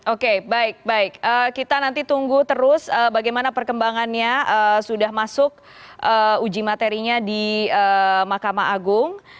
oke baik baik kita nanti tunggu terus bagaimana perkembangannya sudah masuk uji materinya di mahkamah agung